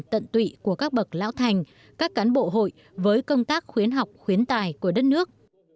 tận tụy của các bậc lão thành các cán bộ hội với công tác khuyến học khuyến tài của đất nước